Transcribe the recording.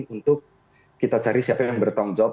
untuk kita cari siapa yang bertanggung jawab